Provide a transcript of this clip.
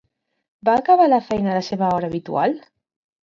Va acabar la feina a la seva hora habitual?